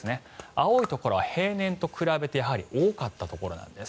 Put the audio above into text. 青いところは平年と比べて多かったところなんです。